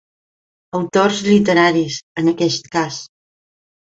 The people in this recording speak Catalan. Autors literaris, en aquest cas.